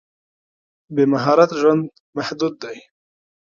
بې مهارت ژوند محدود دی.